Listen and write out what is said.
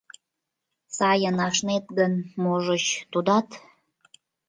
— Сайын ашнет гын, можыч, тудат...